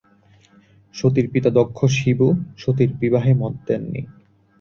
সতীর পিতা দক্ষ শিব ও সতীর বিবাহে মত দেননি।